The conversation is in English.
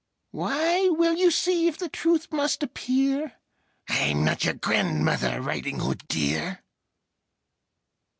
Why, well: you see if the truth must appear I'm not your grandmother, Riding Hood, dear!